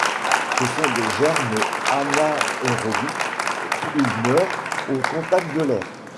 Ce sont des germes anaérobie: ils meurent au contact de l'air.